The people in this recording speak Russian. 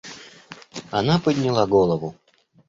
Она подняла голову.